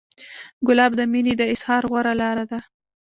ګلاب د مینې د اظهار غوره لاره ده.